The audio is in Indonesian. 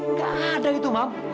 nggak ada itu ma